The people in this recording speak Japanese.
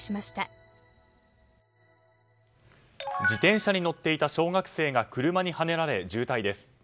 自転車に乗っていた小学生が車にはねられ重体です。